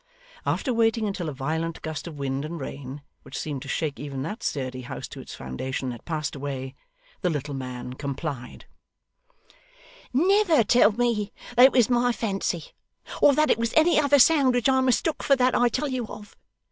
After waiting until a violent gust of wind and rain, which seemed to shake even that sturdy house to its foundation, had passed away, the little man complied: 'Never tell me that it was my fancy, or that it was any other sound which I mistook for that I tell you of.